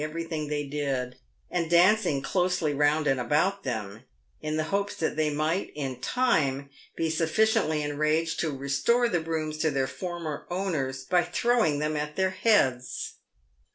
everything they did, and dancing closely round and about them, in the hopes that they might, in time, be sufficiently enraged to restore the brooms to their former owners, by throwing them at their heads.